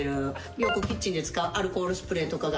よくキッチンで使うアルコールスプレーとかが。